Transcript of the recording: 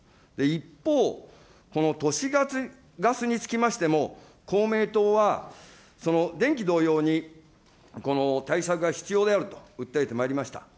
一方、都市ガスにつきましても、公明党は、電気同様に対策が必要であると訴えてまいりました。